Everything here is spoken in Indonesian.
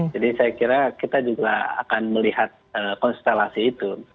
jadi saya kira kita juga akan melihat konstelasi itu